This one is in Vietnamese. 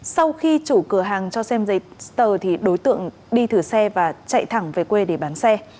sau khi chủ cửa hàng cho xem giấy tờ thì đối tượng đi thử xe và chạy thẳng về quê để bán xe